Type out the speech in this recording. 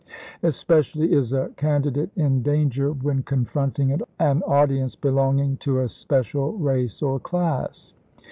Especially is a candidate in danger when confront ing an audience belonging to a special race or class.